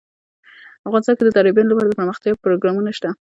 افغانستان کې د دریابونه لپاره دپرمختیا پروګرامونه شته.